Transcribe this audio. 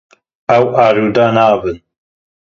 Ew arode nabin.